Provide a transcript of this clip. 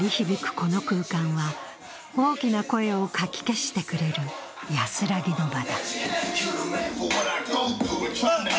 この空間は、大きな声をかき消してくれる安らぎの場だ。